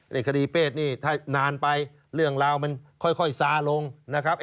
คดีเพศนี่ถ้านานไปเรื่องราวมันค่อยซาลงนะครับ